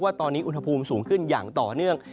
ว่าตอนนี้อุณหภูมิสูงขึ้นอย่างต่อเนื่อง